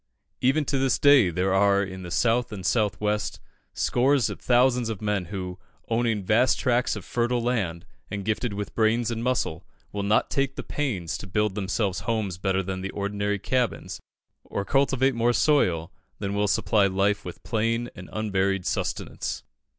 Even to this day, there are in the South and South West scores of thousands of men who, owning vast tracts of fertile land, and gifted with brains and muscle, will not take the pains to build themselves homes better than ordinary cabins, or cultivate more soil than will supply life with plain and unvaried sustenance.